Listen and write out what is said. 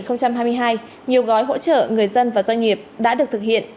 năm hai nghìn hai mươi hai nhiều gói hỗ trợ người dân và doanh nghiệp đã được thực hiện